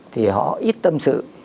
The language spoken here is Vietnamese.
thì họ ít tâm sự